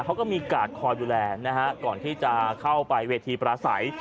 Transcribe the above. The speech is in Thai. เขาก็มีกาดคอยดูแลนะฮะก่อนที่จะเข้าไปเวทีปราศัย